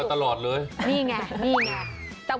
โอเคโอเคโอเค